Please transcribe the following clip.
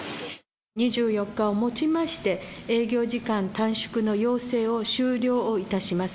２４日をもちまして、営業時間短縮の要請を終了いたします。